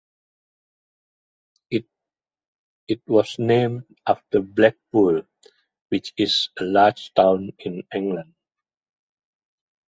It was named after Blackpool, which is a large town in England.